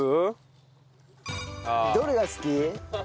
どれが好き？